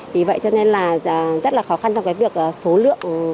vì vậy cho nên là rất là khó khăn trong cái việc số lượng